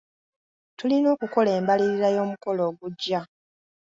Tulina okukola embalirira y'omukolo ogujja.